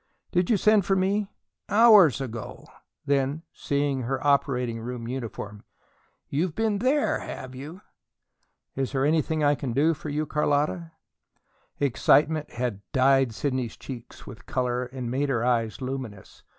"Did you send for me?" "Hours ago." Then, seeing her operating room uniform: "You've been THERE, have you?" "Is there anything I can do, Carlotta?" Excitement had dyed Sidney's cheeks with color and made her eyes luminous.